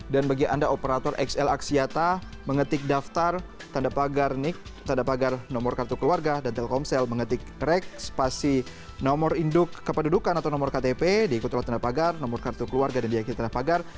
dan bagi anda operator xl aksiata mengetik daftar tanda pagar nic tanda pagar nomor kartu keluarga dan telkomsel mengetik rek spasi nomor induk kependudukan atau nomor ktp diikuti oleh tanda pagar nomor kartu keluarga dan diikuti oleh tanda pagar